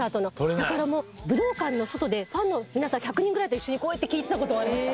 だからもう武道館の外でファンの皆さん１００人ぐらいと一緒にこうやって聴いてた事がありました。